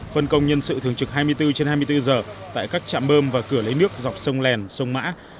phân công nhân sự thường trực hai mươi bốn trên hai mươi bốn giờ tại các trạm bơm và cửa lấy nước dọc sông lèn sông mã